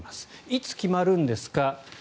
いつ決まるんですか。